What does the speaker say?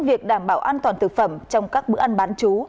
việc đảm bảo an toàn thực phẩm trong các bữa ăn bán chú